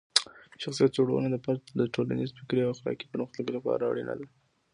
شخصیت جوړونه د فرد د ټولنیز، فکري او اخلاقي پرمختګ لپاره اړینه ده.